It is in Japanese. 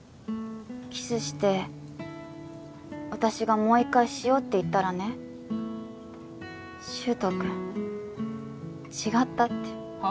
キスして私がもう一回しようって言ったらね柊人君違ったってはあ？